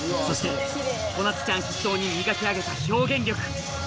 そしてこなつちゃん筆頭に磨き上げた表現力